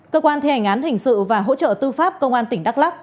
cơ quan thi hành án hình sự và hỗ trợ tư pháp công an tỉnh đắk lắc